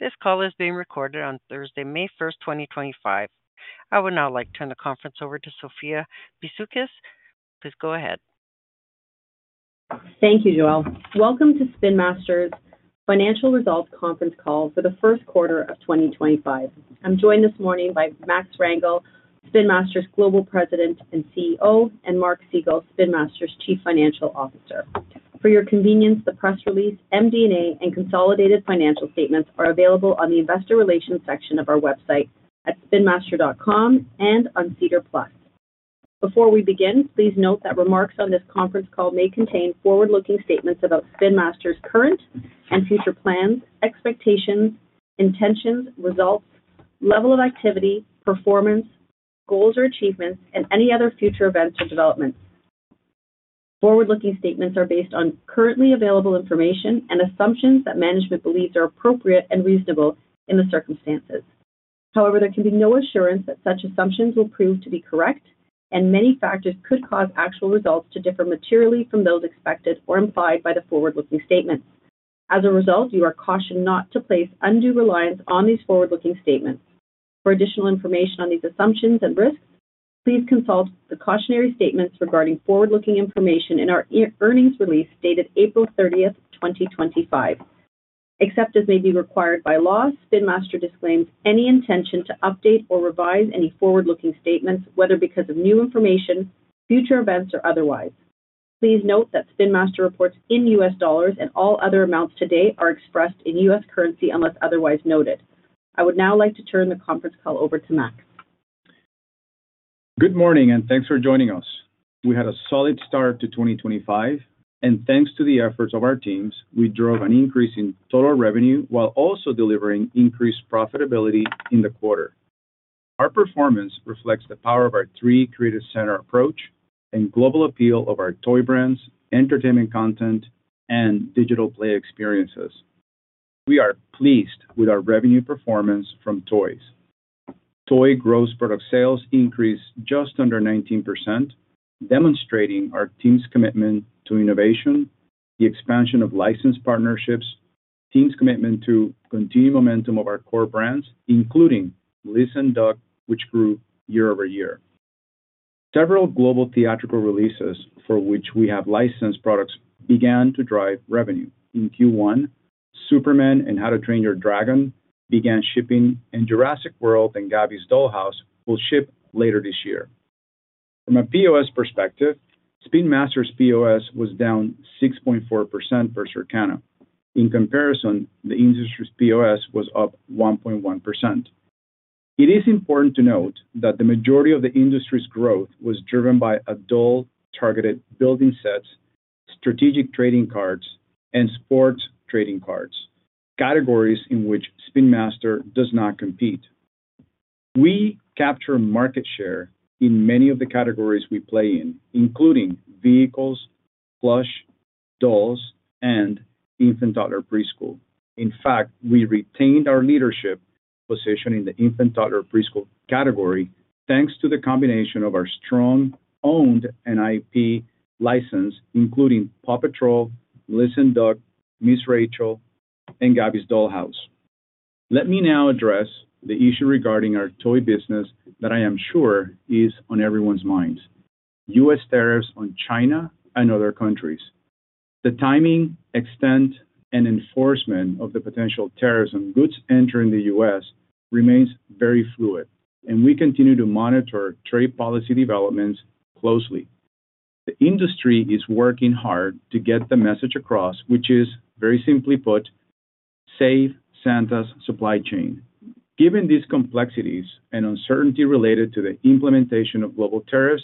This call is being recorded on Thursday, May 1, 2025. I would now like to turn the conference over to Sophia Bisoukis. Please go ahead. Thank you, Joelle. Welcome to Spin Master's financial results conference call for the first quarter of 2025. I'm joined this morning by Max Rangel, Spin Master's Global President and CEO, and Mark Segal, Spin Master's Chief Financial Officer. For your convenience, the press release, MD&A, and consolidated financial statements are available on the Investor Relations section of our website at spinmaster.com and on SEDAR+. Before we begin, please note that remarks on this conference call may contain forward-looking statements about Spin Master's current and future plans, expectations, intentions, results, level of activity, performance, goals or achievements, and any other future events or developments. Forward-looking statements are based on currently available information and assumptions that management believes are appropriate and reasonable in the circumstances. However, there can be no assurance that such assumptions will prove to be correct, and many factors could cause actual results to differ materially from those expected or implied by the forward-looking statement. As a result, you are cautioned not to place undue reliance on these forward-looking statements. For additional information on these assumptions and risks, please consult the cautionary statements regarding forward-looking information in our earnings release dated April 30, 2025. Except as may be required by law, Spin Master disclaims any intention to update or revise any forward-looking statements, whether because of new information, future events, or otherwise. Please note that Spin Master reports in U.S. dollars, and all other amounts today are expressed in U.S. currency unless otherwise noted. I would now like to turn the conference call over to Max. Good morning, and thanks for joining us. We had a solid start to 2025, and thanks to the efforts of our teams, we drove an increase in total revenue while also delivering increased profitability in the quarter. Our performance reflects the power of our three-creative center approach and global appeal of our toy brands, entertainment content, and digital play experiences. We are pleased with our revenue performance from toys. Toy gross product sales increased just under 19%, demonstrating our team's commitment to innovation, the expansion of licensed partnerships, and the team's commitment to the continued momentum of our core brands, including Melissa & Doug, which grew year-over-year. Several global theatrical releases for which we have licensed products began to drive revenue. In Q1, Superman and How to Train Your Dragon began shipping, and Jurassic World and Gabby's Dollhouse will ship later this year. From a POS perspective, Spin Master's POS was down 6.4% per Circana. In comparison, the industry's POS was up 1.1%. It is important to note that the majority of the industry's growth was driven by adult-targeted building sets, strategic trading cards, and sports trading cards, categories in which Spin Master does not compete. We capture market share in many of the categories we play in, including vehicles, plush, dolls, and infant-toddler preschool. In fact, we retained our leadership position in the infant-toddler preschool category thanks to the combination of our strong owned IP license, including PAW Patrol, Melissa & Doug, Ms. Rachel, and Gabby's Dollhouse. Let me now address the issue regarding our toy business that I am sure is on everyone's minds: U.S. tariffs on China and other countries. The timing, extent, and enforcement of the potential tariffs on goods entering the U.S. remains very fluid, and we continue to monitor trade policy developments closely. The industry is working hard to get the message across, which is, very simply put, save Santa's supply chain. Given these complexities and uncertainty related to the implementation of global tariffs,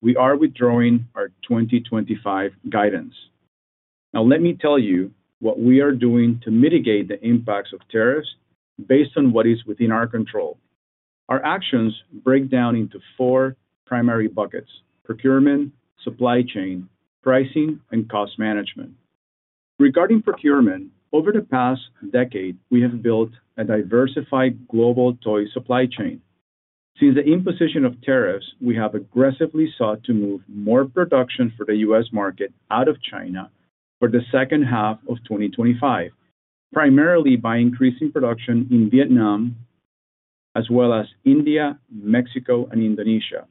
we are withdrawing our 2025 guidance. Now, let me tell you what we are doing to mitigate the impacts of tariffs based on what is within our control. Our actions break down into four primary buckets: procurement, supply chain, pricing, and cost management. Regarding procurement, over the past decade, we have built a diversified global toy supply chain. Since the imposition of tariffs, we have aggressively sought to move more production for the U.S. market out of China for the second half of 2025, primarily by increasing production in Vietnam, as well as India, Mexico, and Indonesia.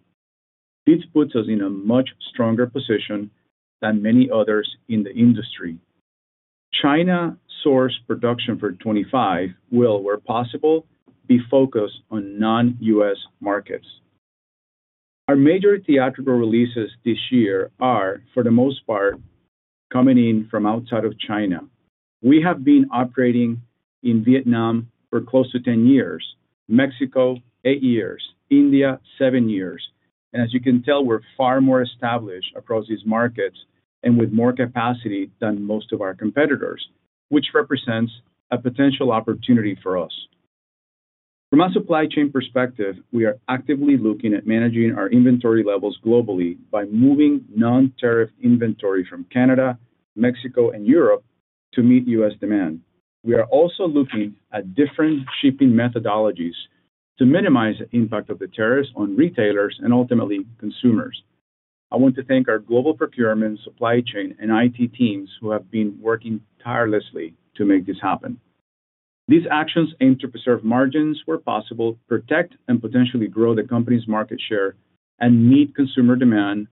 This puts us in a much stronger position than many others in the industry. China-sourced production for 2025 will, where possible, be focused on non-U.S. markets. Our major theatrical releases this year are, for the most part, coming in from outside of China. We have been operating in Vietnam for close to 10 years, Mexico, eight years, India, seven years. As you can tell, we're far more established across these markets and with more capacity than most of our competitors, which represents a potential opportunity for us. From a supply chain perspective, we are actively looking at managing our inventory levels globally by moving non-tariff inventory from Canada, Mexico, and Europe to meet U.S. demand. We are also looking at different shipping methodologies to minimize the impact of the tariffs on retailers and ultimately consumers. I want to thank our global procurement, supply chain, and IT teams who have been working tirelessly to make this happen. These actions aim to preserve margins where possible, protect and potentially grow the company's market share, and meet consumer demand.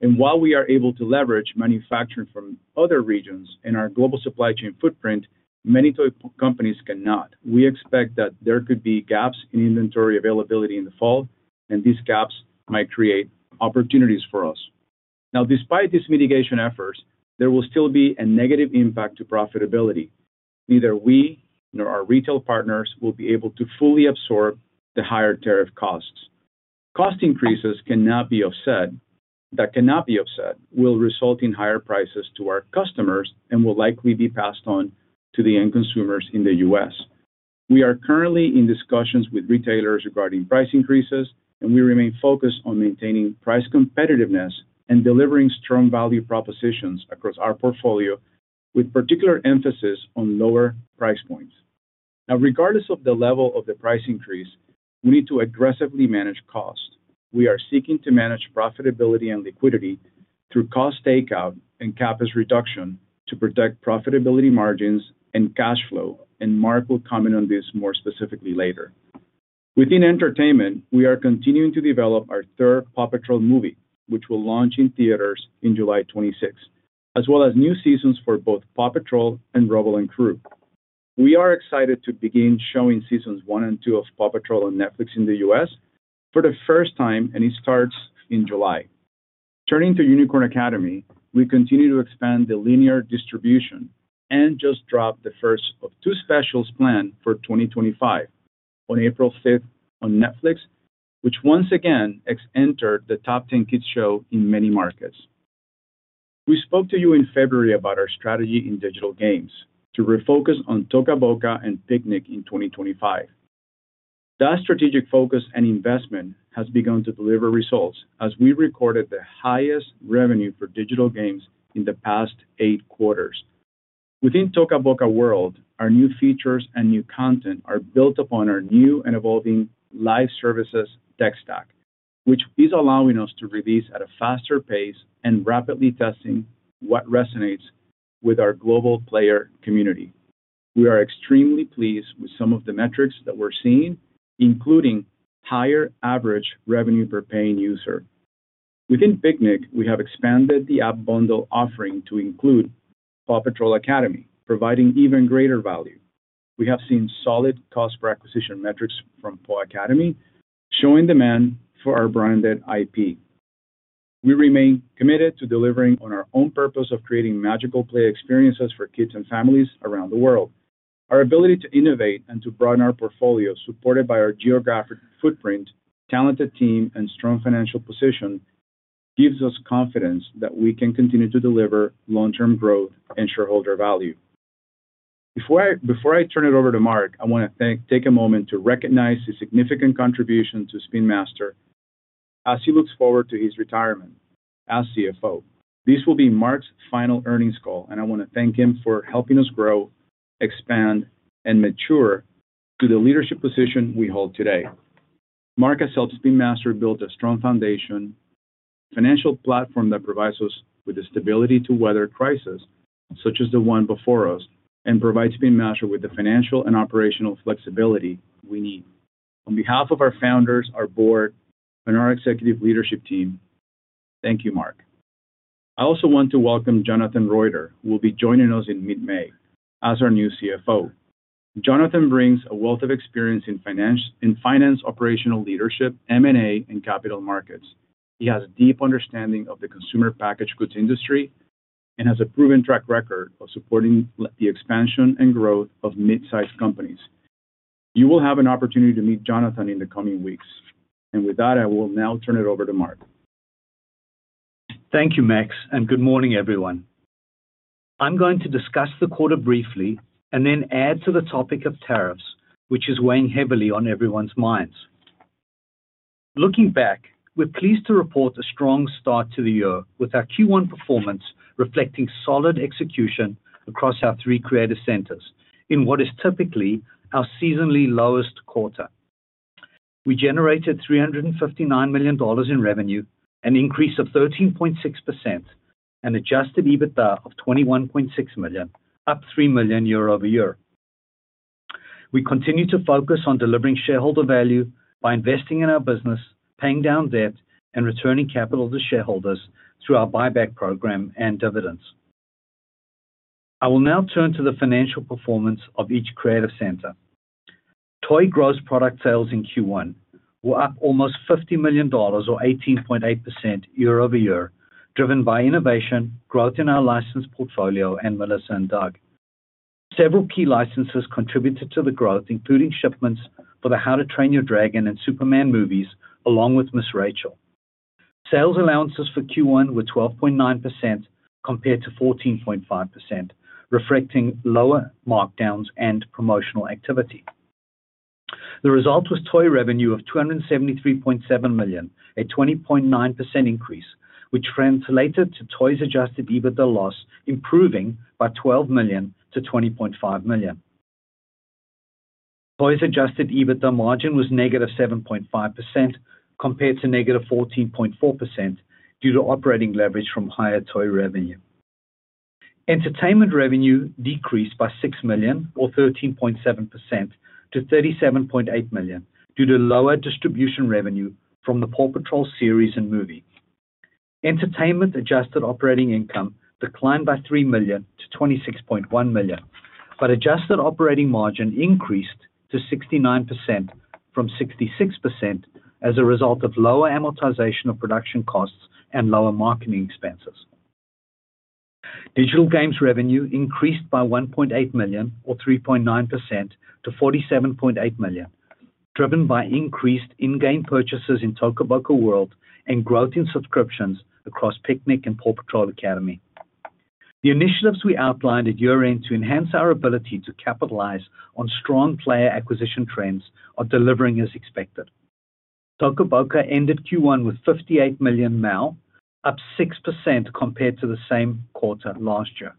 While we are able to leverage manufacturing from other regions in our global supply chain footprint, many toy companies cannot. We expect that there could be gaps in inventory availability in the fall, and these gaps might create opportunities for us. Now, despite these mitigation efforts, there will still be a negative impact to profitability. Neither we nor our retail partners will be able to fully absorb the higher tariff costs. Cost increases that cannot be offset will result in higher prices to our customers and will likely be passed on to the end consumers in the U.S. We are currently in discussions with retailers regarding price increases, and we remain focused on maintaining price competitiveness and delivering strong value propositions across our portfolio, with particular emphasis on lower price points. Now, regardless of the level of the price increase, we need to aggressively manage cost. We are seeking to manage profitability and liquidity through cost takeout and CapEx reduction to protect profitability margins and cash flow, and Mark will comment on this more specifically later. Within entertainment, we are continuing to develop our third PAW Patrol movie, which will launch in theaters on July 26th, as well as new seasons for both PAW Patrol and Rubble & Crew. We are excited to begin showing seasons one and two of PAW Patrol on Netflix in the U.S. for the first time, and it starts in July. Turning to Unicorn Academy, we continue to expand the linear distribution and just dropped the first of two specials planned for 2025 on April 5th on Netflix, which once again has entered the top 10 kids' show in many markets. We spoke to you in February about our strategy in digital games to refocus on Toca Boca and Piknik in 2025. That strategic focus and investment has begun to deliver results as we recorded the highest revenue for digital games in the past eight quarters. Within Toca Boca World, our new features and new content are built upon our new and evolving live services tech stack, which is allowing us to release at a faster pace and rapidly testing what resonates with our global player community. We are extremely pleased with some of the metrics that we're seeing, including higher average revenue per paying user. Within Piknik, we have expanded the app bundle offering to include PAW Patrol Academy, providing even greater value. We have seen solid cost per acquisition metrics from PAW Patrol Academy showing demand for our branded IP. We remain committed to delivering on our own purpose of creating magical play experiences for kids and families around the world. Our ability to innovate and to broaden our portfolio, supported by our geographic footprint, talented team, and strong financial position, gives us confidence that we can continue to deliver long-term growth and shareholder value. Before I turn it over to Mark, I want to take a moment to recognize his significant contribution to Spin Master as he looks forward to his retirement as CFO. This will be Mark's final earnings call, and I want to thank him for helping us grow, expand, and mature to the leadership position we hold today. Mark has helped Spin Master build a strong foundation, a financial platform that provides us with the stability to weather crises such as the one before us, and provides Spin Master with the financial and operational flexibility we need. On behalf of our founders, our board, and our executive leadership team, thank you, Mark. I also want to welcome Jonathan Roiter, who will be joining us in mid-May as our new CFO. Jonathan brings a wealth of experience in finance, operational leadership, M&A, and capital markets. He has a deep understanding of the consumer packaged goods industry and has a proven track record of supporting the expansion and growth of mid-sized companies. You will have an opportunity to meet Jonathan in the coming weeks. With that, I will now turn it over to Mark. Thank you, Max, and good morning, everyone. I'm going to discuss the quarter briefly and then add to the topic of tariffs, which is weighing heavily on everyone's minds. Looking back, we're pleased to report a strong start to the year with our Q1 performance reflecting solid execution across our three creative centers in what is typically our seasonally lowest quarter. We generated $359 million in revenue, an increase of 13.6%, and adjusted EBITDA of $21.6 million, up $3 million year-over-year. We continue to focus on delivering shareholder value by investing in our business, paying down debt, and returning capital to shareholders through our buyback program and dividends. I will now turn to the financial performance of each creative center. Toy gross product sales in Q1 were up almost $50 million, or 18.8% year-over-year, driven by innovation, growth in our licensed portfolio, and Melissa & Doug. Several key licenses contributed to the growth, including shipments for the How to Train Your Dragon and Superman movies, along with Ms. Rachel.Sales allowances for Q1 were 12.9% compared to 14.5%, reflecting lower markdowns and promotional activity. The result was toy revenue of $273.7 million, a 20.9% increase, which translated to toys adjusted EBITDA loss improving by $12 million to $20.5 million. Toys adjusted EBITDA margin was negative 7.5% compared to negative 14.4% due to operating leverage from higher toy revenue. Entertainment revenue decreased by $6 million, or 13.7%- $37.8 million due to lower distribution revenue from the PAW Patrol series and movie. Entertainment adjusted operating income declined by $3 million-$26.1 million, but adjusted operating margin increased to 69% from 66% as a result of lower amortization of production costs and lower marketing expenses. Digital games revenue increased by $1.8 million, or 3.9%-$47.8 million, driven by increased in-game purchases in Toca Boca World and growth in subscriptions across Piknik and PAW Patrol Academy. The initiatives we outlined at year-end to enhance our ability to capitalize on strong player acquisition trends are delivering as expected. Toca Boca ended Q1 with 58 million now, up 6% compared to the same quarter last year.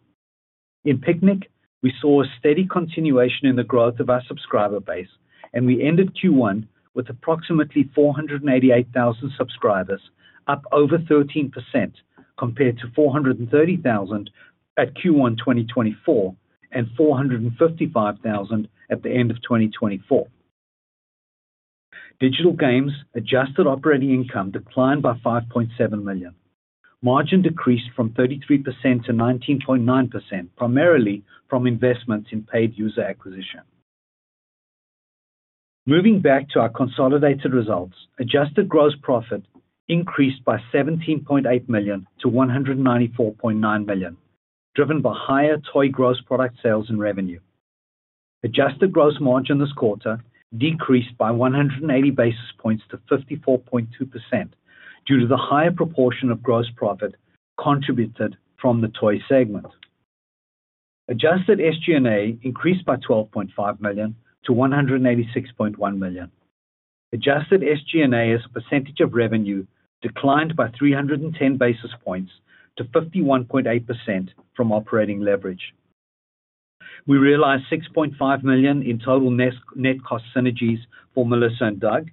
In Piknik, we saw a steady continuation in the growth of our subscriber base, and we ended Q1 with approximately 488,000 subscribers, up over 13% compared to 430,000 at Q1 2024 and 455,000 at the end of 2024. Digital games adjusted operating income declined by $5.7 million. Margin decreased from 33%-19.9%, primarily from investments in paid user acquisition. Moving back to our consolidated results, adjusted gross profit increased by $17.8 million-$194.9 million, driven by higher toy gross product sales and revenue. Adjusted gross margin this quarter decreased by 180 basis points to 54.2% due to the higher proportion of gross profit contributed from the toy segment. Adjusted SG&A increased by $12.5 million-$186.1 million. Adjusted SG&A as a percentage of revenue declined by 310 basis points to 51.8% from operating leverage. We realized $6.5 million in total net cost synergies for Melissa & Doug,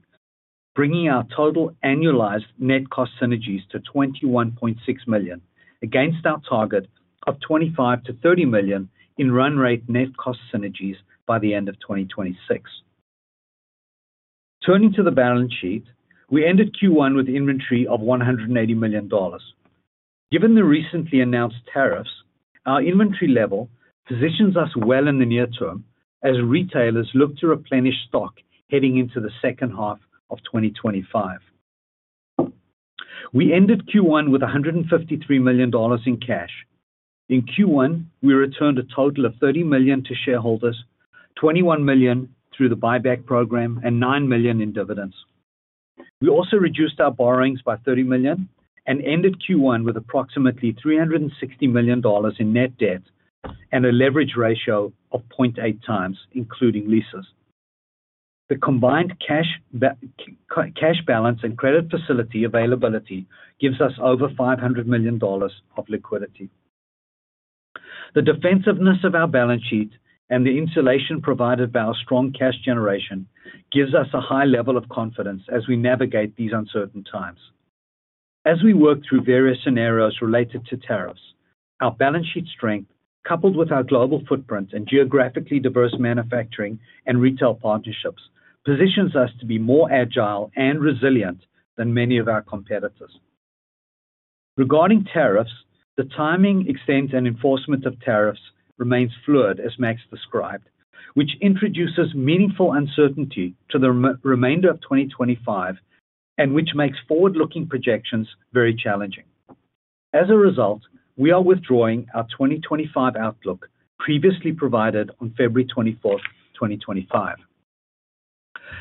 bringing our total annualized net cost synergies to $21.6 million against our target of $25 million-$30 million in run rate net cost synergies by the end of 2026. Turning to the balance sheet, we ended Q1 with inventory of $180 million. Given the recently announced tariffs, our inventory level positions us well in the near term as retailers look to replenish stock heading into the second half of 2025. We ended Q1 with $153 million in cash. In Q1, we returned a total of $30 million to shareholders, $21 million through the buyback program, and $9 million in dividends. We also reduced our borrowings by $30 million and ended Q1 with approximately $360 million in net debt and a leverage ratio of 0.8x, including leases. The combined cash balance and credit facility availability gives us over $500 million of liquidity. The defensiveness of our balance sheet and the insulation provided by our strong cash generation gives us a high level of confidence as we navigate these uncertain times. As we work through various scenarios related to tariffs, our balance sheet strength, coupled with our global footprint and geographically diverse manufacturing and retail partnerships, positions us to be more agile and resilient than many of our competitors. Regarding tariffs, the timing, extends, and enforcement of tariffs remains fluid, as Max described, which introduces meaningful uncertainty to the remainder of 2025 and which makes forward-looking projections very challenging. As a result, we are withdrawing our 2025 outlook previously provided on February 24th, 2025.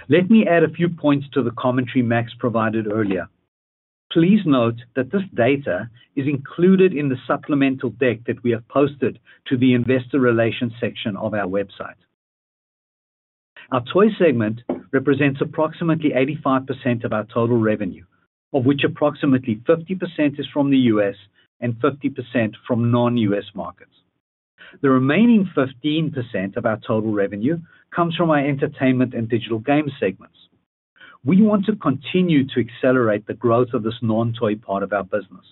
Let me add a few points to the commentary Max provided earlier. Please note that this data is included in the supplemental deck that we have posted to the investor relations section of our website. Our toy segment represents approximately 85% of our total revenue, of which approximately 50% is from the U.S. and 50% from non-U.S. markets. The remaining 15% of our total revenue comes from our entertainment and digital games segments. We want to continue to accelerate the growth of this non-toy part of our business.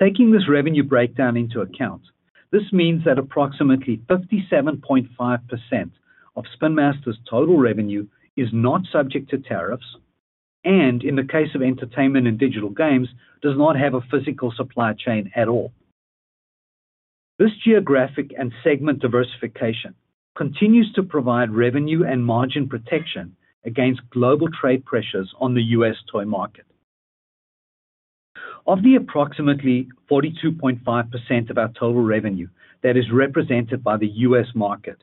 Taking this revenue breakdown into account, this means that approximately 57.5% of Spin Master's total revenue is not subject to tariffs and, in the case of entertainment and digital games, does not have a physical supply chain at all. This geographic and segment diversification continues to provide revenue and margin protection against global trade pressures on the U.S. toy market. Of the approximately 42.5% of our total revenue that is represented by the U.S. market,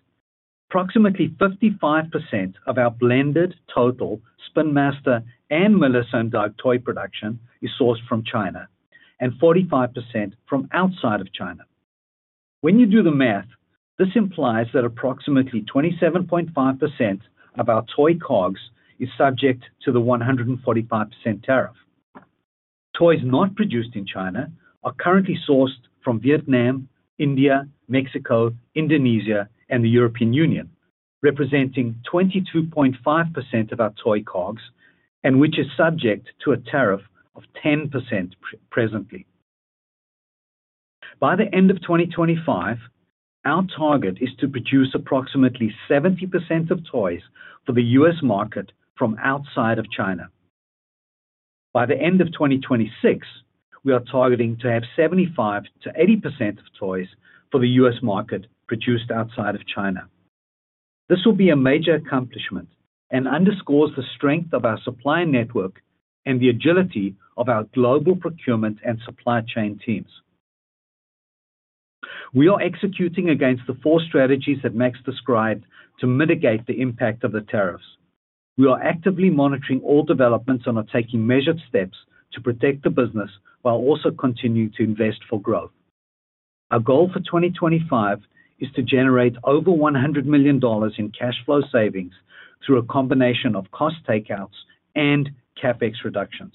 approximately 55% of our blended total Spin Master and Melissa & Doug toy production is sourced from China and 45% from outside of China. When you do the math, this implies that approximately 27.5% of our toy COGS is subject to the 145% tariff. Toys not produced in China are currently sourced from Vietnam, India, Mexico, Indonesia, and the European Union, representing 22.5% of our toy COGS and which is subject to a tariff of 10% presently. By the end of 2025, our target is to produce approximately 70% of toys for the U.S. market from outside of China. By the end of 2026, we are targeting to have 75%-80% of toys for the U.S. market produced outside of China. This will be a major accomplishment and underscores the strength of our supply network and the agility of our global procurement and supply chain teams. We are executing against the four strategies that Max described to mitigate the impact of the tariffs. We are actively monitoring all developments and are taking measured steps to protect the business while also continuing to invest for growth. Our goal for 2025 is to generate over $100 million in cash flow savings through a combination of cost takeouts and CapEx reductions.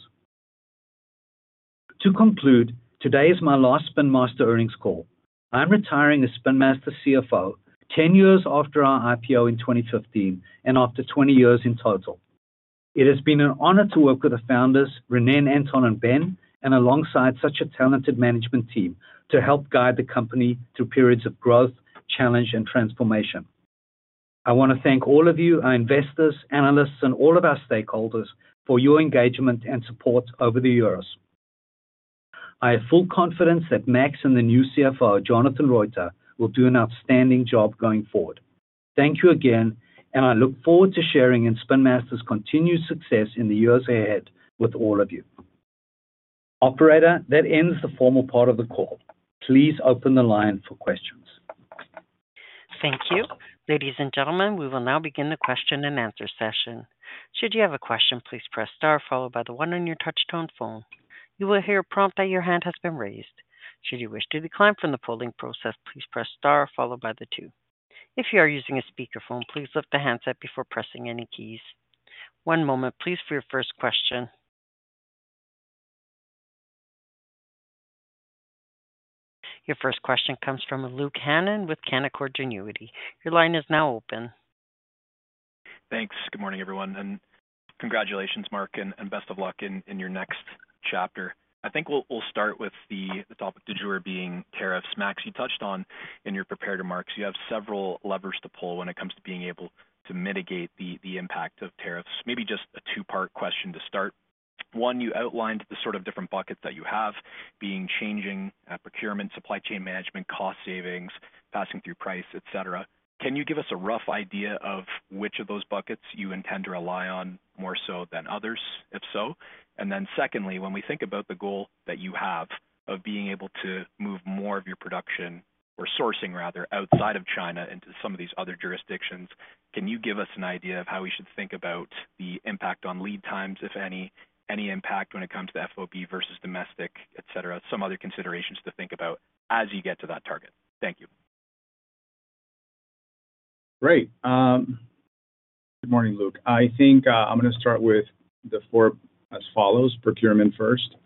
To conclude, today is my last Spin Master earnings call. I'm retiring as Spin Master CFO 10 years after our IPO in 2015 and after 20 years in total. It has been an honor to work with the founders, Ronnen Harary and Ben Varadi, and alongside such a talented management team to help guide the company through periods of growth, challenge, and transformation. I want to thank all of you, our investors, analysts, and all of our stakeholders for your engagement and support over the years. I have full confidence that Max and the new CFO, Jonathan Roiter, will do an outstanding job going forward. Thank you again, and I look forward to sharing in Spin Master's continued success in the years ahead with all of you. Operator, that ends the formal part of the call. Please open the line for questions. Thank you. Ladies and gentlemen, we will now begin the question and answer session. Should you have a question, please press star, followed by the one on your touch-tone phone. You will hear a prompt that your hand has been raised. Should you wish to decline from the polling process, please press star, followed by the two. If you are using a speakerphone, please lift the handset before pressing any keys. One moment, please, for your first question. Your first question comes from Luke Hannan with Canaccord Genuity. Your line is now open. Thanks. Good morning, everyone, and congratulations, Mark, and best of luck in your next chapter. I think we'll start with the topic that you are being tariffs. Max, you touched on in your prepared remarks. You have several levers to pull when it comes to being able to mitigate the impact of tariffs. Maybe just a two-part question to start. One, you outlined the sort of different buckets that you have being changing procurement, supply chain management, cost savings, passing through price, etc. Can you give us a rough idea of which of those buckets you intend to rely on more so than others, if so? When we think about the goal that you have of being able to move more of your production, or sourcing rather, outside of China into some of these other jurisdictions, can you give us an idea of how we should think about the impact on lead times, if any, any impact when it comes to FOB versus domestic, etc.? Some other considerations to think about as you get to that target. Thank you. Great. Good morning, Luke. I think I'm going to start with the four as follows: procurement first.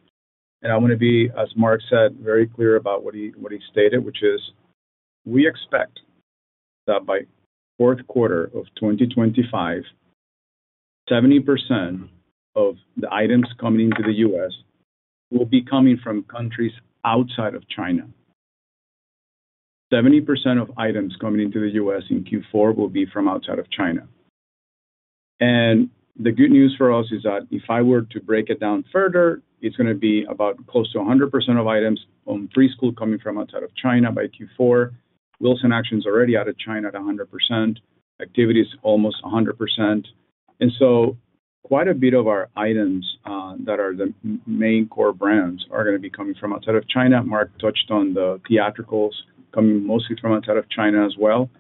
I'm going to be, as Mark said, very clear about what he stated, which is we expect that by fourth quarter of 2025, 70% of the items coming into the U.S. will be coming from countries outside of China. 70% of items coming into the U.S. in Q4 will be from outside of China. The good news for us is that if I were to break it down further, it's going to be about close to 100% of items on preschool coming from outside of China by Q4. Wheels & Action's already out of China at 100%. Activity's almost 100%. Quite a bit of our items that are the main core brands are going to be coming from outside of China. Mark touched on the theatricals coming mostly from outside of China as well.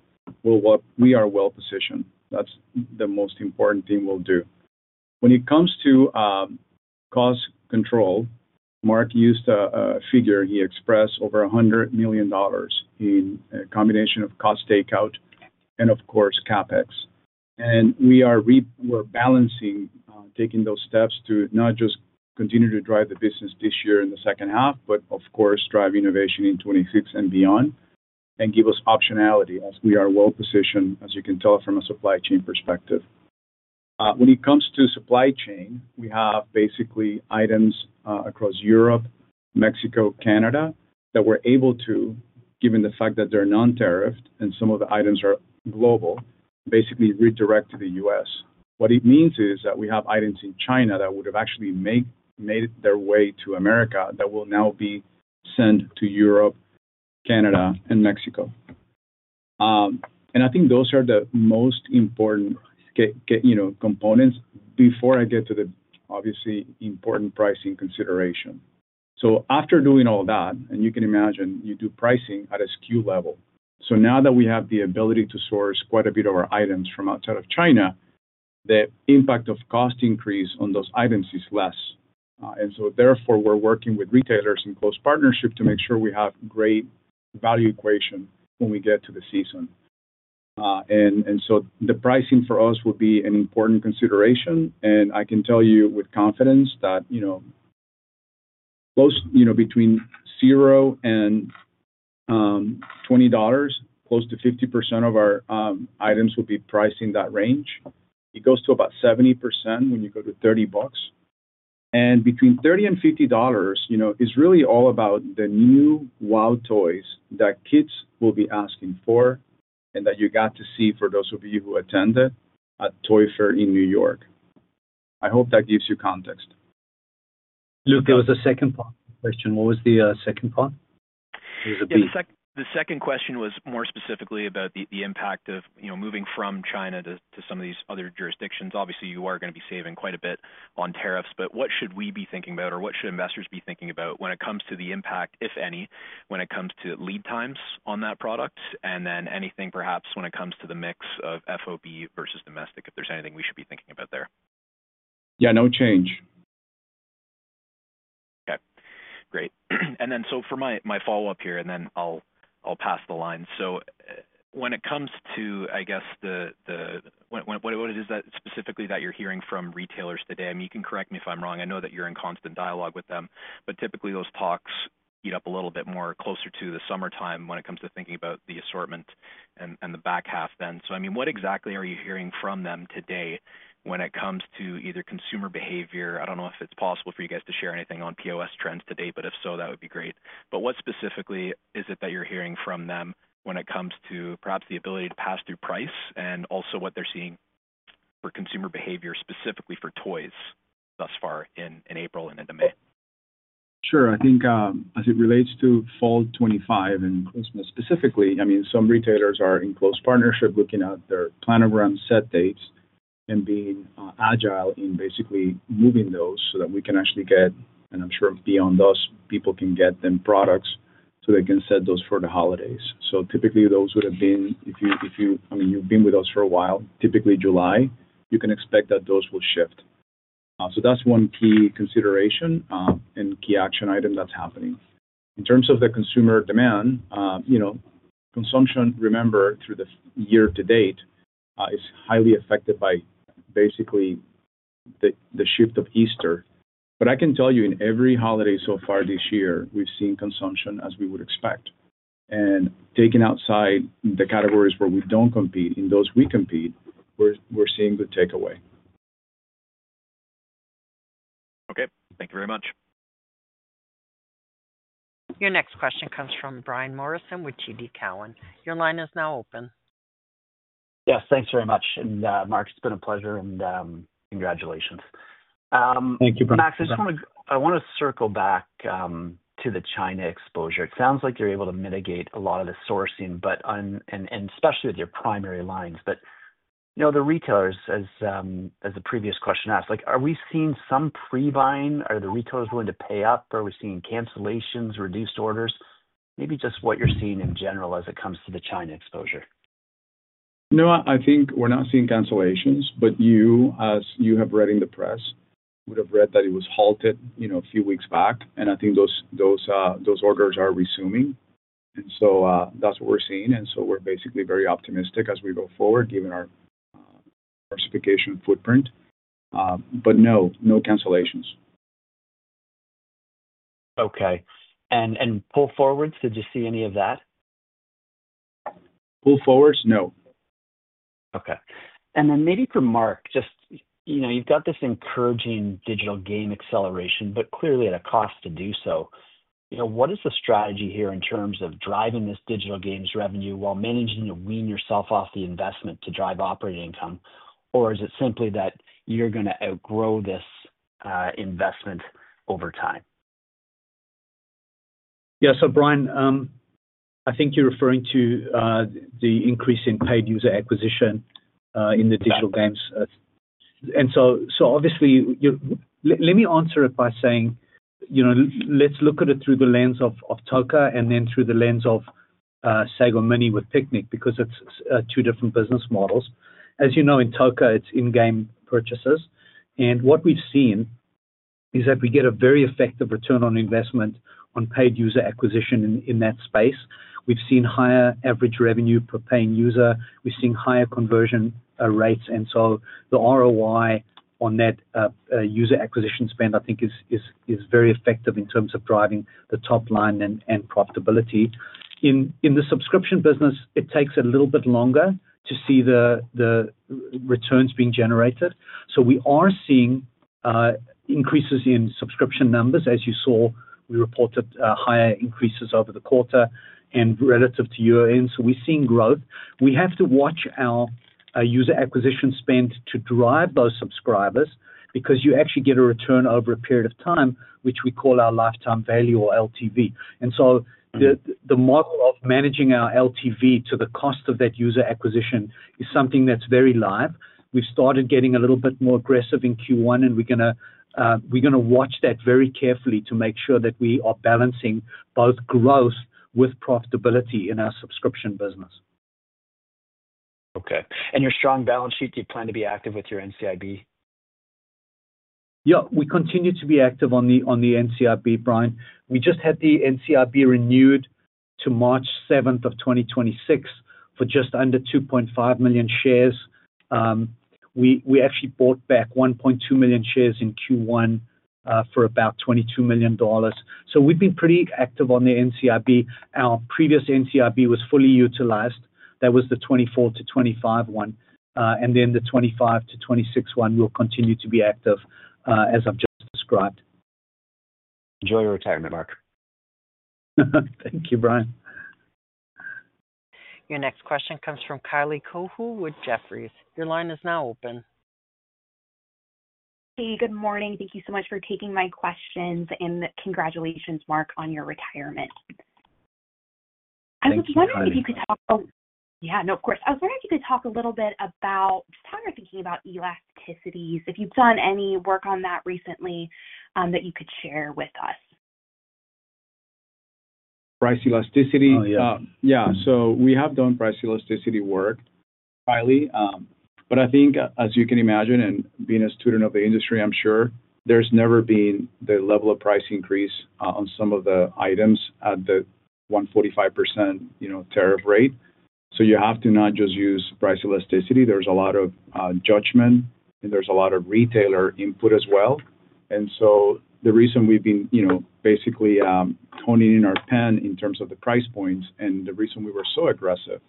We are well positioned. That's the most important thing we'll do. When it comes to cost control, Mark used a figure he expressed over $100 million in a combination of cost takeout and, of course, CapEx. We are balancing, taking those steps to not just continue to drive the business this year in the second half, but, of course, drive innovation in 2026 and beyond and give us optionality as we are well positioned, as you can tell from a supply chain perspective. When it comes to supply chain, we have basically items across Europe, Mexico, Canada that we're able to, given the fact that they're non-tariffed and some of the items are global, basically redirect to the U.S. What it means is that we have items in China that would have actually made their way to America that will now be sent to Europe, Canada, and Mexico. I think those are the most important components before I get to the obviously important pricing consideration. After doing all that, and you can imagine you do pricing at a SKU level. Now that we have the ability to source quite a bit of our items from outside of China, the impact of cost increase on those items is less. Therefore, we're working with retailers in close partnership to make sure we have great value equation when we get to the season. The pricing for us will be an important consideration. I can tell you with confidence that close between $0 and $20, close to 50% of our items will be priced in that range. It goes to about 70% when you go to $30. Between $30 and $50 is really all about the new wow toys that kids will be asking for and that you got to see for those of you who attended at Toy Fair in New York. I hope that gives you context. Luke, there was a second part of the question. What was the second part? The second question was more specifically about the impact of moving from China to some of these other jurisdictions. Obviously, you are going to be saving quite a bit on tariffs, but what should we be thinking about, or what should investors be thinking about when it comes to the impact, if any, when it comes to lead times on that product? Anything perhaps when it comes to the mix of FOB versus domestic, if there is anything we should be thinking about there? Yeah, no change. Okay. Great. For my follow-up here, and then I'll pass the line. When it comes to, I guess, what it is specifically that you're hearing from retailers today? I mean, you can correct me if I'm wrong. I know that you're in constant dialogue with them, but typically those talks heat up a little bit more closer to the summertime when it comes to thinking about the assortment and the back half then. I mean, what exactly are you hearing from them today when it comes to either consumer behavior? I don't know if it's possible for you guys to share anything on POS trends today, but if so, that would be great. What specifically is it that you're hearing from them when it comes to perhaps the ability to pass through price and also what they're seeing for consumer behavior specifically for toys thus far in April and into May? Sure. I think as it relates to Fall 2025 and Christmas specifically, I mean, some retailers are in close partnership looking at their plan of around set dates and being agile in basically moving those so that we can actually get, and I'm sure beyond us, people can get them products so they can set those for the holidays. Typically those would have been, if you've been with us for a while, typically July, you can expect that those will shift. That's one key consideration and key action item that's happening. In terms of the consumer demand, consumption, remember, through the year to date is highly affected by basically the shift of Easter. I can tell you in every holiday so far this year, we've seen consumption as we would expect. Taken outside the categories where we do not compete, in those we compete, we are seeing good takeaway. Okay. Thank you very much. Your next question comes from Brian Morrison with [TD Cowen]. Your line is now open. Yes, thanks very much. Mark, it's been a pleasure and congratulations. Thank you, Brian. Max, I want to circle back to the China exposure. It sounds like you're able to mitigate a lot of the sourcing, and especially with your primary lines. The retailers, as the previous question asked, are we seeing some pre-buying? Are the retailers willing to pay up? Are we seeing cancellations, reduced orders? Maybe just what you're seeing in general as it comes to the China exposure. No, I think we're not seeing cancellations, but you, as you have read in the press, would have read that it was halted a few weeks back. I think those orders are resuming. That is what we're seeing. We are basically very optimistic as we go forward, given our classification footprint. No, no cancellations. Okay. Did you see any of that? Pull forwards, no. Okay. Maybe for Mark, just you've got this encouraging digital game acceleration, but clearly at a cost to do so. What is the strategy here in terms of driving this digital game's revenue while managing to wean yourself off the investment to drive operating income? Is it simply that you're going to outgrow this investment over time? Yeah. Brian, I think you're referring to the increase in paid user acquisition in the digital games. Obviously, let me answer it by saying, let's look at it through the lens of Toca and then through the lens of Sago Mini with Piknik because it's two different business models. As you know, in Toca, it's in-game purchases. What we've seen is that we get a very effective return on investment on paid user acquisition in that space. We've seen higher average revenue per paying user. We've seen higher conversion rates. The ROI on that user acquisition spend, I think, is very effective in terms of driving the top line and profitability. In the subscription business, it takes a little bit longer to see the returns being generated. We are seeing increases in subscription numbers. As you saw, we reported higher increases over the quarter and relative to year-end. We are seeing growth. We have to watch our user acquisition spend to drive those subscribers because you actually get a return over a period of time, which we call our lifetime value or LTV. The mark of managing our LTV to the cost of that user acquisition is something that's very live. We've started getting a little bit more aggressive in Q1, and we're going to watch that very carefully to make sure that we are balancing both growth with profitability in our subscription business. Okay. Your strong balance sheet, do you plan to be active with your NCIB? Yeah, we continue to be active on the NCIB, Brian. We just had the NCIB renewed to March 7, 2026 for just under 2.5 million shares. We actually bought back 1.2 million shares in Q1 for about $22 million. We've been pretty active on the NCIB. Our previous NCIB was fully utilized. That was the 2024 to 2025 one. The 2025 to 2026 one, we'll continue to be active, as I've just described. Enjoy your retirement, Mark. Thank you, Brian. Your next question comes from Kylie Cohu with Jefferies. Your line is now open. Hey, good morning. Thank you so much for taking my questions. Congratulations, Mark, on your retirement. I was wondering if you could talk a little bit about just how you're thinking about elasticities, if you've done any work on that recently that you could share with us. Price elasticity. Oh, yeah. Yeah. We have done price elasticity work highly. I think, as you can imagine, and being a student of the industry, I'm sure there's never been the level of price increase on some of the items at the 145% tariff rate. You have to not just use price elasticity. There's a lot of judgment, and there's a lot of retailer input as well. The reason we've been basically honing in our pen in terms of the price points and the reason we were so aggressive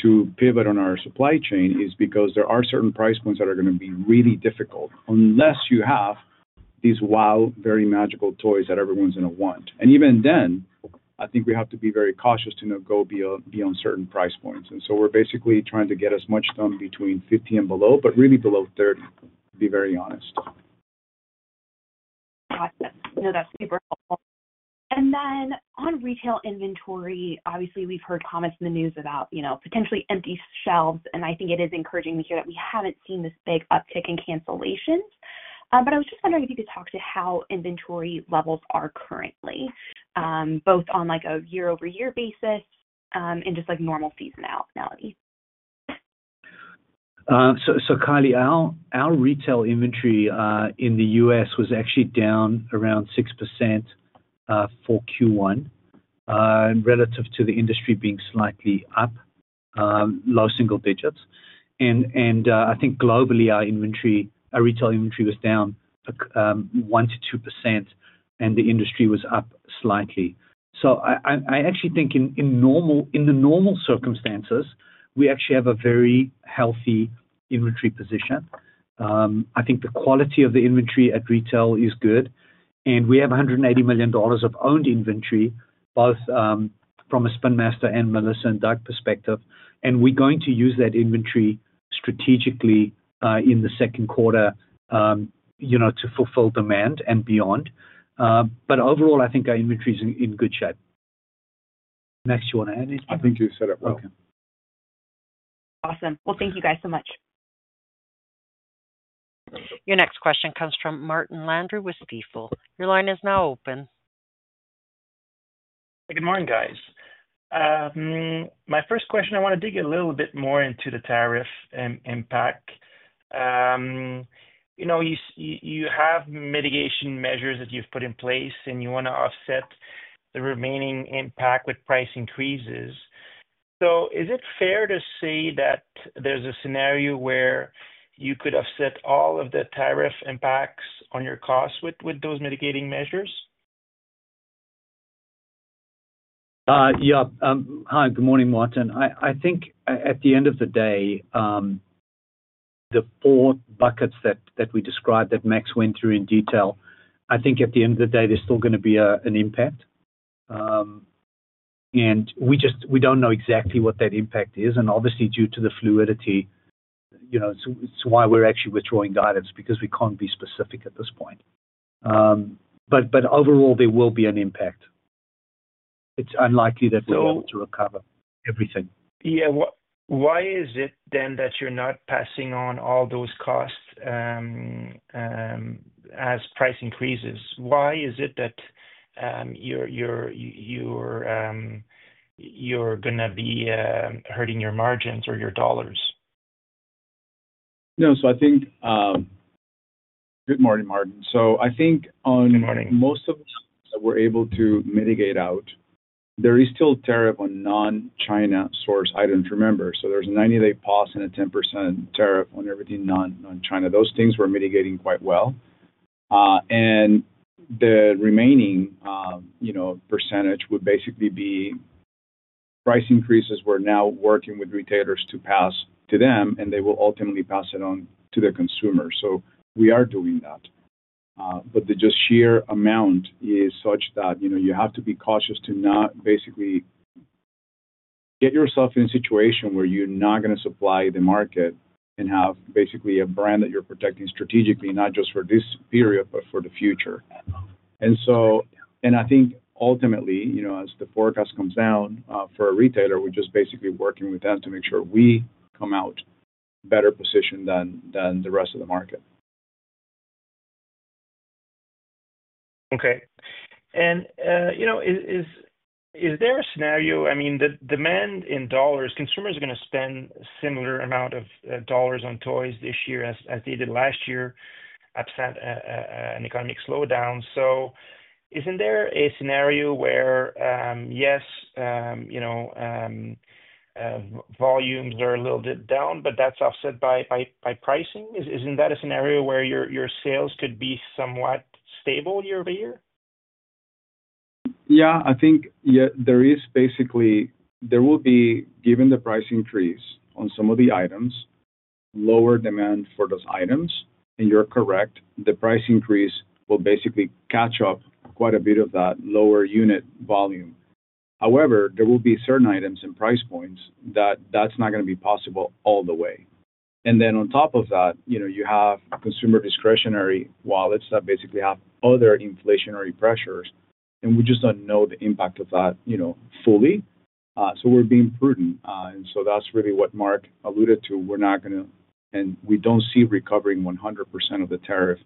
to pivot on our supply chain is because there are certain price points that are going to be really difficult unless you have these wow, very magical toys that everyone's going to want. Even then, I think we have to be very cautious to not go beyond certain price points. We're basically trying to get as much done between 50 and below, but really below 30, to be very honest. Awesome. No, that's super helpful. Then on retail inventory, obviously, we've heard comments in the news about potentially empty shelves. I think it is encouraging to hear that we haven't seen this big uptick in cancellations. I was just wondering if you could talk to how inventory levels are currently, both on a year-over-year basis and just normal seasonality. Kylie, our retail inventory in the U.S. was actually down around 6% for Q1 relative to the industry being slightly up, low single digits. I think globally, our retail inventory was down 1%-2%, and the industry was up slightly. I actually think in the normal circumstances, we actually have a very healthy inventory position. I think the quality of the inventory at retail is good. We have $180 million of owned inventory, both from a Spin Master and Melissa & Doug perspective. We're going to use that inventory strategically in the second quarter to fulfill demand and beyond. Overall, I think our inventory is in good shape. Max, you want to add anything? I think you said it well. Awesome. Thank you guys so much. Your next question comes from Martin Landry with Stifel. Your line is now open. Good morning, guys. My first question, I want to dig a little bit more into the tariff impact. You have mitigation measures that you've put in place, and you want to offset the remaining impact with price increases. Is it fair to say that there's a scenario where you could offset all of the tariff impacts on your costs with those mitigating measures? Yeah. Hi, good morning, Martin. I think at the end of the day, the four buckets that we described that Max went through in detail, I think at the end of the day, there is still going to be an impact. We do not know exactly what that impact is. Obviously, due to the fluidity, it is why we are actually withdrawing items because we cannot be specific at this point. Overall, there will be an impact. It is unlikely that we are able to recover everything. Yeah. Why is it then that you're not passing on all those costs as price increases? Why is it that you're going to be hurting your margins or your dollars? No. I think good morning, Martin. I think on most of the things that we're able to mitigate out, there is still tariff on non-China source items, remember. There is a 90-day pause and a 10% tariff on everything non-China. Those things we're mitigating quite well. The remaining percentage would basically be price increases. We're now working with retailers to pass to them, and they will ultimately pass it on to the consumers. We are doing that. The just sheer amount is such that you have to be cautious to not basically get yourself in a situation where you're not going to supply the market and have basically a brand that you're protecting strategically, not just for this period, but for the future. I think ultimately, as the forecast comes down for a retailer, we're just basically working with them to make sure we come out better positioned than the rest of the market. Okay. Is there a scenario? I mean, the demand in dollars, consumers are going to spend a similar amount of dollars on toys this year as they did last year, upset an economic slowdown. Isn't there a scenario where, yes, volumes are a little bit down, but that's offset by pricing? Isn't that a scenario where your sales could be somewhat stable year-over-year? Yeah. I think there is basically there will be, given the price increase on some of the items, lower demand for those items. You're correct. The price increase will basically catch up quite a bit of that lower unit volume. However, there will be certain items and price points that that's not going to be possible all the way. On top of that, you have consumer discretionary wallets that basically have other inflationary pressures. We just don't know the impact of that fully. We're being prudent. That's really what Mark alluded to. We're not going to, and we don't see recovering 100% of the tariff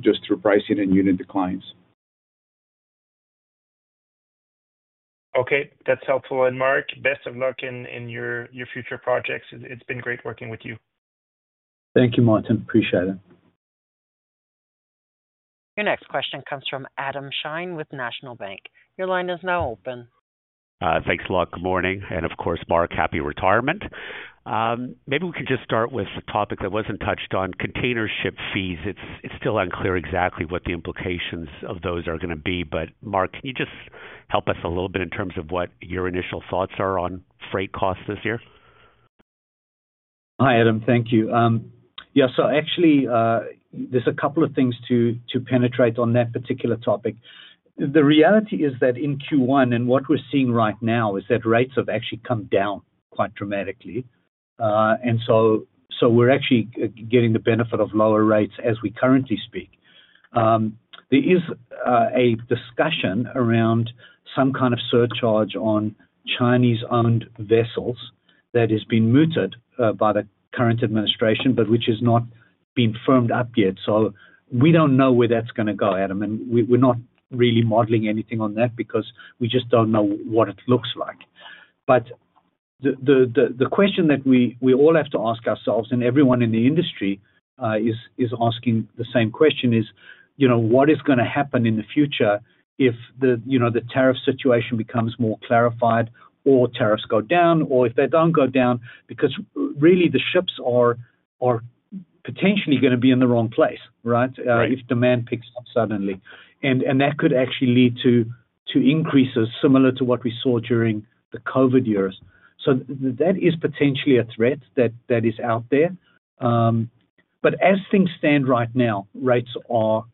just through pricing and unit declines. Okay. That's helpful. Mark, best of luck in your future projects. It's been great working with you. Thank you, Martin. Appreciate it. Your next question comes from Adam Shine with National Bank. Your line is now open. Thanks a lot. Good morning. Of course, Mark, happy retirement. Maybe we can just start with a topic that was not touched on, container ship fees. It is still unclear exactly what the implications of those are going to be. Mark, can you just help us a little bit in terms of what your initial thoughts are on freight costs this year? Hi, Adam. Thank you. Yeah. Actually, there's a couple of things to penetrate on that particular topic. The reality is that in Q1, and what we're seeing right now is that rates have actually come down quite dramatically. We're actually getting the benefit of lower rates as we currently speak. There is a discussion around some kind of surcharge on Chinese-owned vessels that has been mooted by the current administration, which has not been firmed up yet. We don't know where that's going to go, Adam. We're not really modeling anything on that because we just don't know what it looks like. The question that we all have to ask ourselves, and everyone in the industry is asking the same question, is what is going to happen in the future if the tariff situation becomes more clarified or tariffs go down, or if they do not go down because really the ships are potentially going to be in the wrong place, right, if demand picks suddenly. That could actually lead to increases similar to what we saw during the COVID years. That is potentially a threat that is out there. As things stand right now, rates are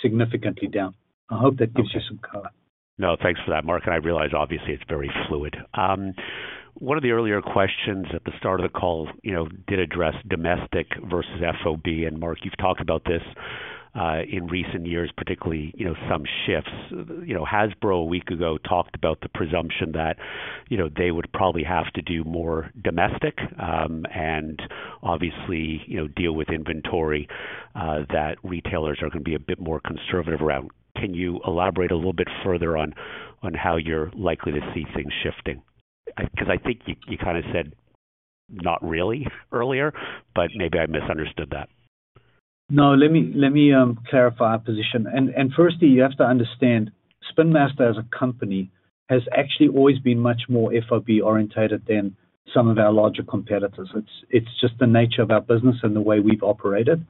significantly down. I hope that gives you some color. No, thanks for that, Mark. I realize, obviously, it's very fluid. One of the earlier questions at the start of the call did address domestic versus FOB. Mark, you've talked about this in recent years, particularly some shifts. Hasbro a week ago talked about the presumption that they would probably have to do more domestic and obviously deal with inventory that retailers are going to be a bit more conservative around. Can you elaborate a little bit further on how you're likely to see things shifting? I think you kind of said not really earlier, but maybe I misunderstood that. No, let me clarify our position. Firstly, you have to understand Spin Master as a company has actually always been much more FOB orientated than some of our larger competitors. It's just the nature of our business and the way we've operated.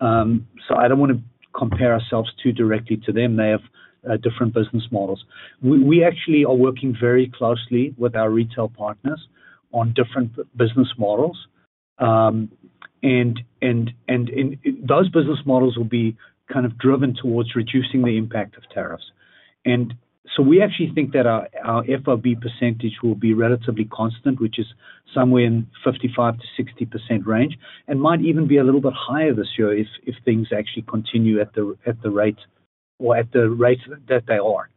I don't want to compare ourselves too directly to them. They have different business models. We actually are working very closely with our retail partners on different business models. Those business models will be kind of driven towards reducing the impact of tariffs. We actually think that our FOB percentage will be relatively constant, which is somewhere in the 55%-60% range, and might even be a little bit higher this year if things actually continue at the rate that they are.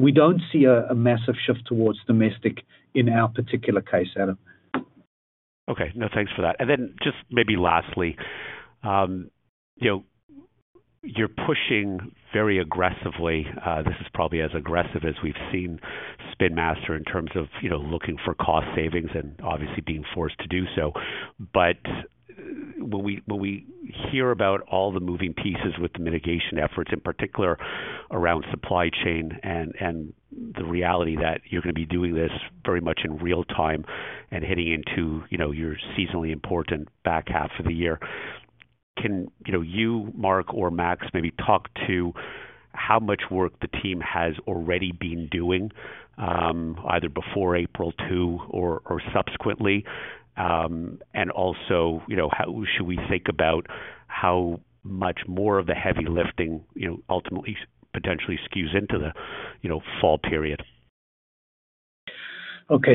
We don't see a massive shift towards domestic in our particular case, Adam. Okay. No, thanks for that. Just maybe lastly, you're pushing very aggressively. This is probably as aggressive as we've seen Spin Master in terms of looking for cost savings and obviously being forced to do so. When we hear about all the moving pieces with the mitigation efforts, in particular around supply chain and the reality that you're going to be doing this very much in real time and hitting into your seasonally important back half of the year, can you, Mark, or Max maybe talk to how much work the team has already been doing either before April 2 or subsequently? Also, should we think about how much more of the heavy lifting ultimately potentially skews into the fall period? Okay.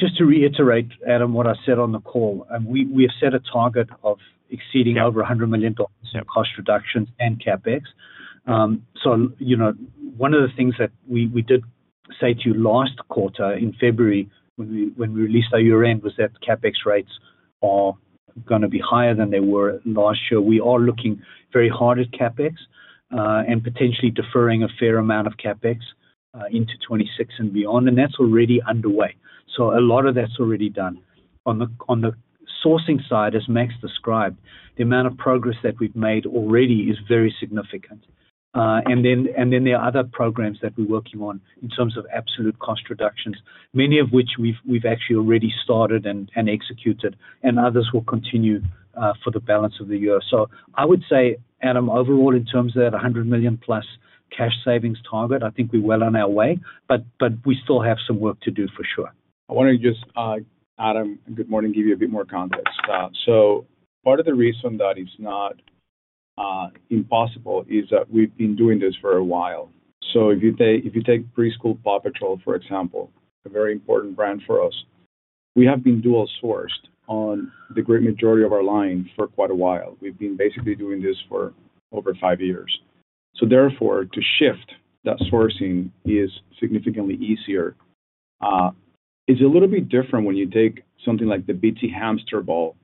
Just to reiterate, Adam, what I said on the call, we have set a target of exceeding over $100 million in cost reductions and CapEx. One of the things that we did say to you last quarter in February when we released our year-end was that CapEx rates are going to be higher than they were last year. We are looking very hard at CapEx and potentially deferring a fair amount of CapEx into 2026 and beyond. That is already underway. A lot of that is already done. On the sourcing side, as Max described, the amount of progress that we have made already is very significant. There are other programs that we are working on in terms of absolute cost reductions, many of which we have actually already started and executed, and others will continue for the balance of the year. I would say, Adam, overall, in terms of that $100 million-plus cash savings target, I think we're well on our way, but we still have some work to do for sure. I want to just, Adam, good morning, give you a bit more context. Part of the reason that it's not impossible is that we've been doing this for a while. If you take preschool PAW Patrol, for example, a very important brand for us, we have been dual-sourced on the great majority of our lines for quite a while. We've been basically doing this for over five years. Therefore, to shift that sourcing is significantly easier. It's a little bit different when you take something like the BT Hamster Ball,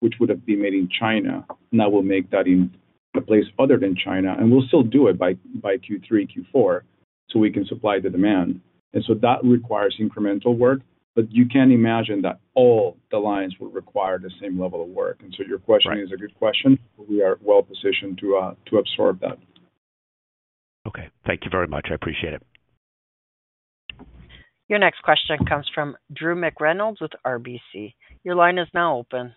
which would have been made in China, and I will make that in a place other than China. We'll still do it by Q3, Q4, so we can supply the demand. That requires incremental work, but you can imagine that all the lines will require the same level of work. Your question is a good question. We are well-positioned to absorb that. Okay. Thank you very much. I appreciate it. Your next question comes from Drew McReynolds with RBC. Your line is now open.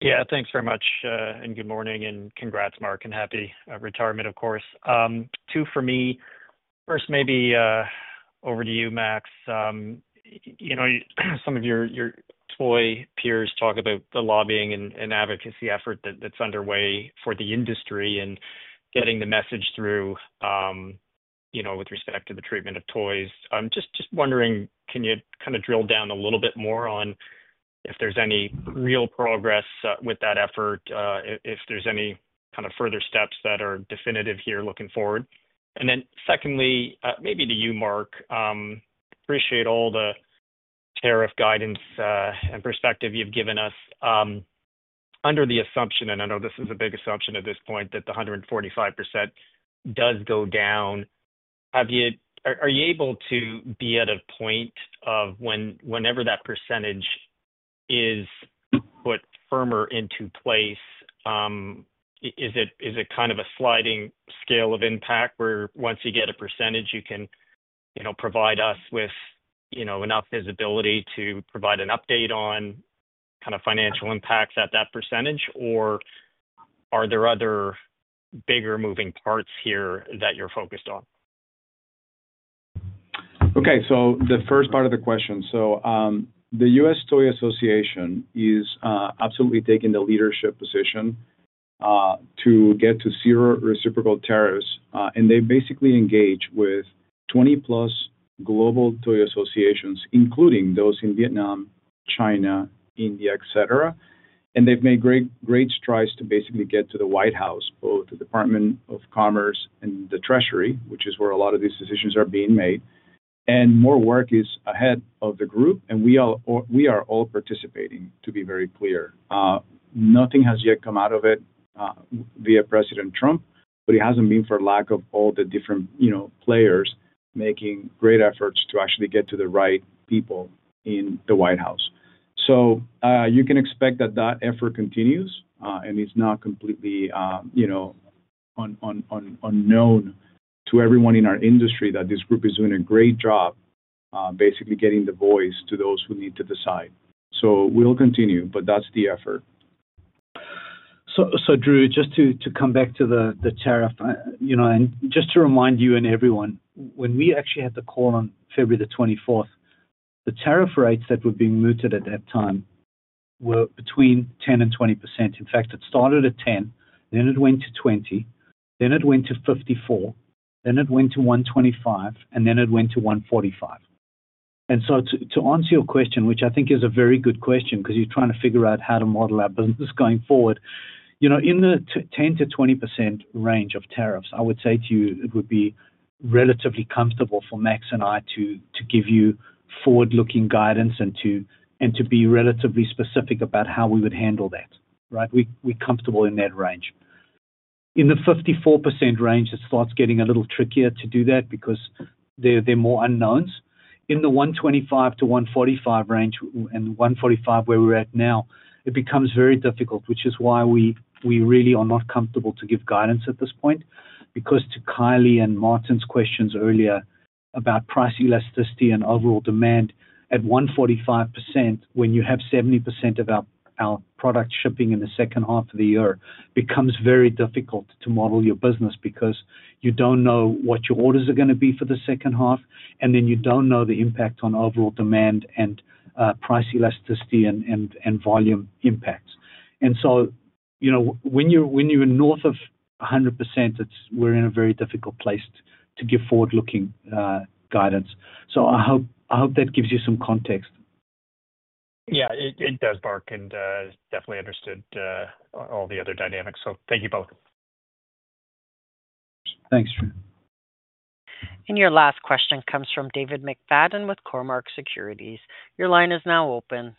Yeah. Thanks very much. Good morning and congrats, Mark, and happy retirement, of course. Two for me. First, maybe over to you, Max. Some of your toy peers talk about the lobbying and advocacy effort that's underway for the industry and getting the message through with respect to the treatment of toys. Just wondering, can you kind of drill down a little bit more on if there's any real progress with that effort, if there's any kind of further steps that are definitive here looking forward? Secondly, maybe to you, Mark, appreciate all the tariff guidance and perspective you've given us. Under the assumption, and I know this is a big assumption at this point, that the 145% does go down, are you able to be at a point of whenever that percentage is put firmer into place, is it kind of a sliding scale of impact where once you get a percentage, you can provide us with enough visibility to provide an update on kind of financial impacts at that percentage, or are there other bigger moving parts here that you're focused on? Okay. The first part of the question. The US Toy Association is absolutely taking the leadership position to get to zero reciprocal tariffs. They basically engage with 20-plus global toy associations, including those in Vietnam, China, India, etc. They have made great strides to basically get to the White House, both the Department of Commerce and the Treasury, which is where a lot of these decisions are being made. More work is ahead of the group, and we are all participating, to be very clear. Nothing has yet come out of it via President Trump, but it has not been for lack of all the different players making great efforts to actually get to the right people in the White House. You can expect that that effort continues, and it's not completely unknown to everyone in our industry that this group is doing a great job basically getting the voice to those who need to decide. We'll continue, but that's the effort. Drew, just to come back to the tariff, and just to remind you and everyone, when we actually had the call on February the 24th, the tariff rates that were being mooted at that time were between 10% and 20%. In fact, it started at 10%, then it went to 20%, then it went to 54%, then it went to 125%, and then it went to 145%. To answer your question, which I think is a very good question because you're trying to figure out how to model our business going forward, in the 10%-20% range of tariffs, I would say to you it would be relatively comfortable for Max and I to give you forward-looking guidance and to be relatively specific about how we would handle that, right? We're comfortable in that range. In the 54% range, it starts getting a little trickier to do that because there are more unknowns. In the 125%-145% range and 145% where we are at now, it becomes very difficult, which is why we really are not comfortable to give guidance at this point because to Kylie and Martin's questions earlier about price elasticity and overall demand at 145%, when you have 70% of our product shipping in the second half of the year, it becomes very difficult to model your business because you do not know what your orders are going to be for the second half, and then you do not know the impact on overall demand and price elasticity and volume impacts. When you are north of 100%, we are in a very difficult place to give forward-looking guidance. I hope that gives you some context. Yeah, it does, Mark. I definitely understood all the other dynamics. Thank you both. Thanks, Drew. Your last question comes from David McFadden with Cormark Securities. Your line is now open.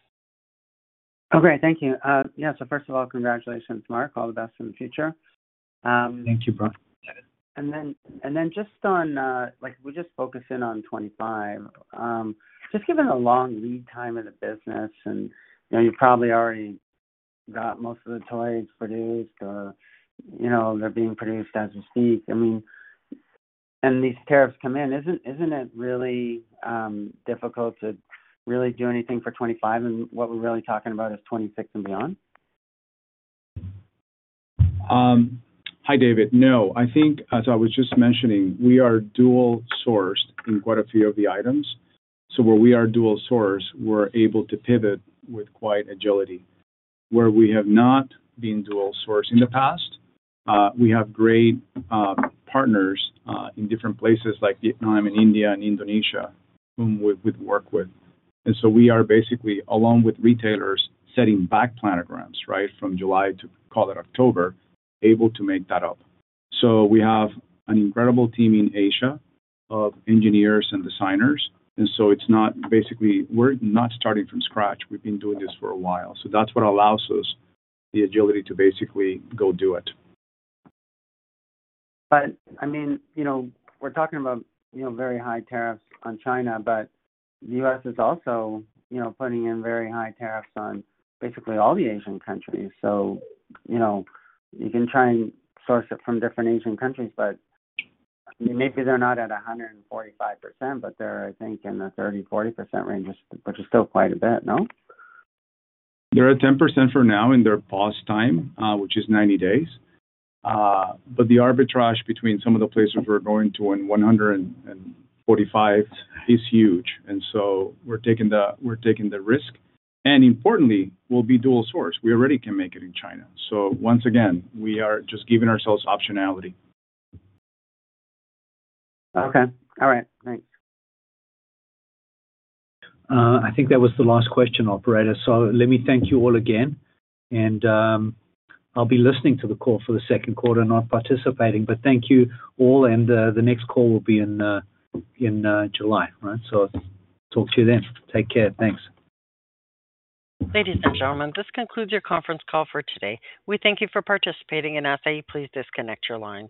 Okay. Thank you. Yeah. First of all, congratulations, Mark. All the best in the future. Thank you, Brooke. Just on we just focused in on 2025. Just given the long lead time of the business, and you've probably already got most of the toys produced. They're being produced as we speak. I mean, and these tariffs come in. Isn't it really difficult to really do anything for 2025? And what we're really talking about is 2026 and beyond? Hi, David. No. I think, as I was just mentioning, we are dual-sourced in quite a few of the items. Where we are dual-sourced, we're able to pivot with quite agility. Where we have not been dual-sourced in the past, we have great partners in different places like Vietnam and India and Indonesia whom we've worked with. We are basically, along with retailers, setting back planograms, right, from July to, call it, October, able to make that up. We have an incredible team in Asia of engineers and designers. It's not basically we're not starting from scratch. We've been doing this for a while. That is what allows us the agility to basically go do it. I mean, we're talking about very high tariffs on China, but the U.S. is also putting in very high tariffs on basically all the Asian countries. You can try and source it from different Asian countries, but maybe they're not at 145%, but they're, I think, in the 30%-40% range, which is still quite a bit, no? They're at 10% for now in their pause time, which is 90 days. The arbitrage between some of the places we're going to and 145 is huge. We are taking the risk. Importantly, we'll be dual-sourced. We already can make it in China. Once again, we are just giving ourselves optionality. Okay. All right. Thanks. I think that was the last question I'll provide. Let me thank you all again. I'll be listening to the call for the second quarter and not participating. Thank you all. The next call will be in July, right? Talk to you then. Take care. Thanks. Ladies and gentlemen, this concludes your conference call for today. We thank you for participating. Please disconnect your line.